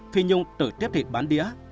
phi nhung tự tiếp thịt bán đĩa